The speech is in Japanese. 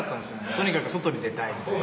とにかく外に出たいみたいな。